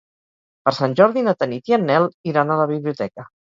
Per Sant Jordi na Tanit i en Nel iran a la biblioteca.